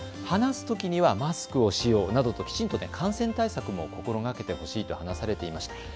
話すときにはマスクをしようなどときちんと感染対策も心がけてほしいと話されていました。